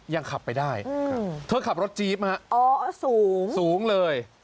ยังขับไปได้เธอขับรถจี๊บนะฮะสูงเลย